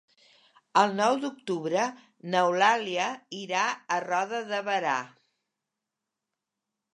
El nou d'octubre n'Eulàlia irà a Roda de Berà.